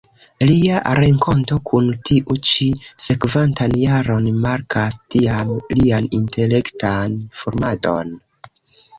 Lia renkonto kun tiu ĉi sekvantan jaron markas tiam lian intelektan formadon.